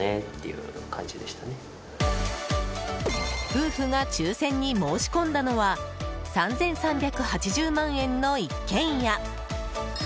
夫婦が抽選に申し込んだのは３３８０万円の一軒家。